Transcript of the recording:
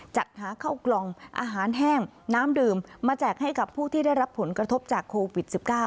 จัดหาข้าวกล่องอาหารแห้งน้ำดื่มมาแจกให้กับผู้ที่ได้รับผลกระทบจากโควิด๑๙